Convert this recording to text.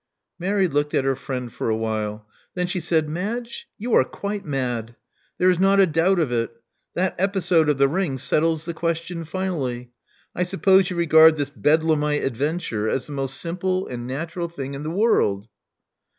'* f • Mary looked at her friend for a while. Then she said, Madge: you are quite mad. There is not a doubt of it: that episode of the ring settles the ques tion finally. I suppose you regard this bedlamite adventure as the most simple and natural thing in the world."